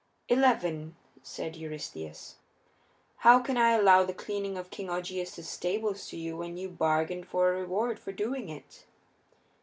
"Eleven," said Eurystheus. "How can I allow the cleaning of King Augeias's stables to you when you bargained for a reward for doing it?"